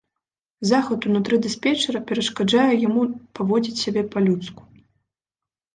Захад унутры дыспетчара перашкаджае яму паводзіць сябе па-людску.